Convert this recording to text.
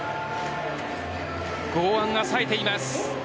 剛腕がさえています。